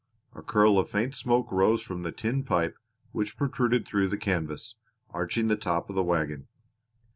A curl of faint smoke rose from the tin pipe which protruded through the canvas, arching the top of the wagon.